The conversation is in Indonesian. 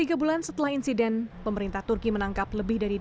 tiga bulan setelah insiden pemerintah turki menangkap lebih dari dua lima ratus orang